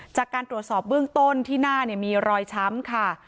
จากการตรวจสอบเบื้องต้นที่หน้ามีรอยช้ำค่ะ